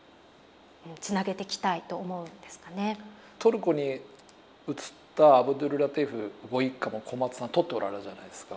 トルコに移ったアブドュルラティーフご一家も小松さん撮っておられるじゃないですか。